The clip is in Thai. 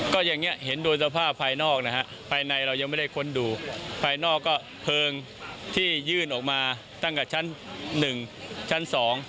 ก็อย่างนี้เห็นโดยสภาพภายนอกนะฮะภายในเรายังไม่ได้ค้นดูภายนอกก็เพลิงที่ยื่นออกมาตั้งแต่ชั้น๑ชั้น๒